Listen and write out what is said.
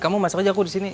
kamu masuk aja aku di sini